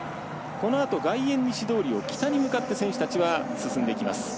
このあと外苑西通りを北に向かって選手は進んでいきます。